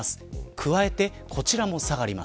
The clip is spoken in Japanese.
加えて、こちらも下がります。